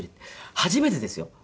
初めてですよ。